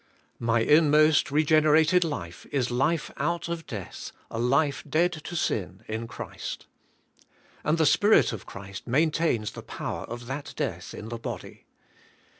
My inmost regenerated life is life out of death, a life dead to sin in Christ. And the Spirit of Christ maintains the power of that death in the body.